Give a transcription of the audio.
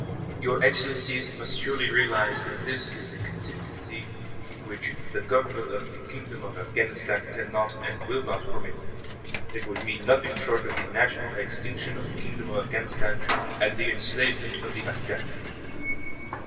Your Excellencies must surely realize that this is a contingency which the Government of the Kingdom of Afghanistan cannot and will not permit; it would mean nothing short of the national extinction of the Kingdom of Afghanistan, and the enslavement of the Afghan people.